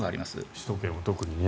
首都圏は特にね。